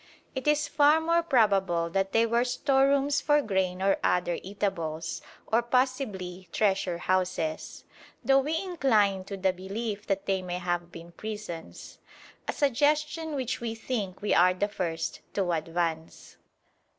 It is far more probable that they were storerooms for grain or other eatables, or possibly treasure houses; though we incline to the belief that they may have been prisons; a suggestion which we think we are the first to advance.